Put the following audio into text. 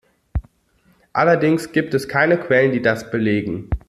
Allerdings gibt es keine Quellen, die das belegen.